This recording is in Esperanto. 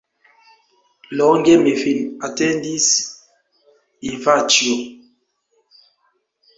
Longe mi vin atendis, Ivaĉjo!